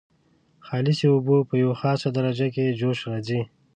خالصې اوبه په یوه خاصه درجه کې جوش راځي.